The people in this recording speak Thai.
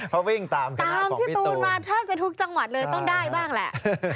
เพราะวิ่งตามข้างหน้าของพี่ตูนตามพี่ตูนมาเท่าที่ทุกจังหวัดเลยต้องได้บ้างแหละ